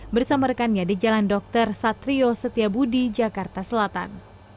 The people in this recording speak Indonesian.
bersama rekannya di jalan dr satrio setiabudi jakarta selatan